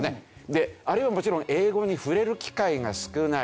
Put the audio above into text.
であるいはもちろん英語に触れる機会が少ない。